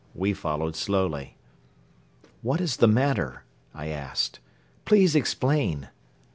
We followed slowly. "What is the matter?" I asked. "Please explain!"